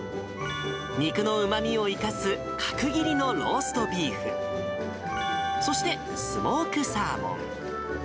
肉のうまみを生かす角切りのローストビーフ、そして、スモークサーモン。